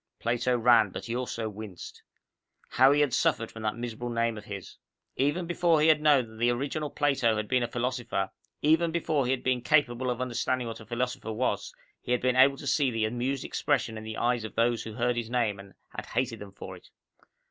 Plato ran, but he also winced. How he had suffered from that miserable name of his! Even before he had known that the original Plato had been a philosopher, even before he had been capable of understanding what a philosopher was, he had been able to see the amused expression in the eyes of those who heard his name, and had hated them for it.